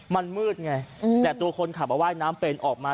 มันมืดไงแต่ตัวคนขับว่ายน้ำเป็นออกมา